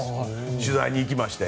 取材に行きまして。